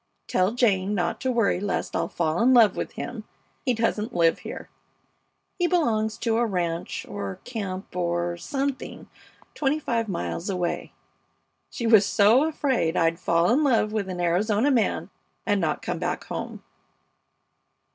Tell Jane not to worry lest I'll fall in love with him; he doesn't live here. He belongs to a ranch or camp or something twenty five miles away. She was so afraid I'd fall in love with an Arizona man and not come back home.